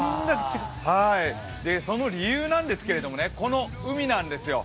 その理由なんですけど、この海なんですよ。